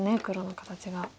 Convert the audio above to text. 黒の形が。